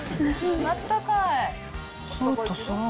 あったかい。